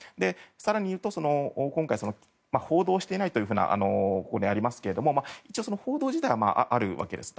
更に言うと今回、報道していないとここにありますが報道自体はあるわけです。